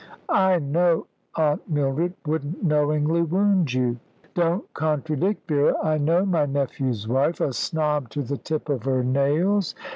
"I know Aunt Mildred wouldn't knowingly wound you." "Don't contradict, Vera. I know my nephew's wife a snob to the tip of her nails.